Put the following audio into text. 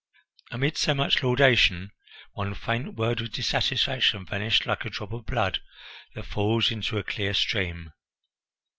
Amid so much laudation, one faint word of dissatisfaction vanished like a drop of blood that falls into a clear stream.